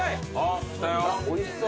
おいしそう。